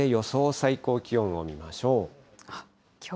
最高気温を見ましょう。